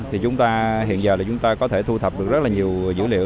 thì chúng ta hiện giờ là chúng ta có thể thu thập được rất là nhiều dữ liệu